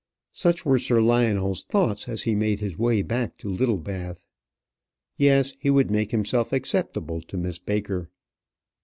Such were Sir Lionel's thoughts as he made his way back to Littlebath. Yes; he would make himself acceptable to Miss Baker.